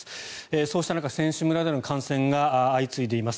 そうした中、選手村での感染が相次いでいます。